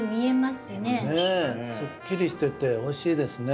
すっきりしてておいしいですね。